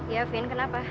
iya vin kenapa